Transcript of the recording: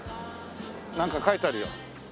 なんか書いてあるよ。